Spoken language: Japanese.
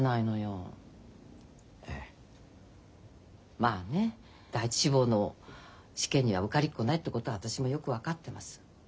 まあね第一志望の試験には受かりっこないってことは私もよく分かってます。